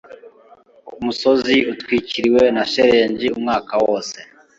umusozi utwikiriwe na shelegi umwaka wose